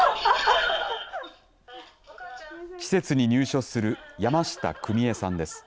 施設に入所する山下クミエさんです。